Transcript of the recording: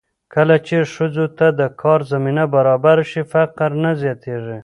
کله چې ښځو ته د کار زمینه برابره شي، فقر نه زیاتېږي.